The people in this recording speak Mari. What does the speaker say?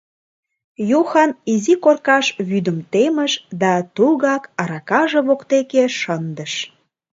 Юхан изи коркаш вӱдым темыш да тугак аракаже воктеке шындыш.